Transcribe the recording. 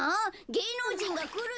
げいのうじんがくるんだよ！？